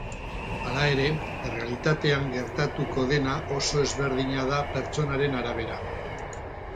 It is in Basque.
Hala ere, errealitatean gertatuko dena oso ezberdina da pertsonaren arabera.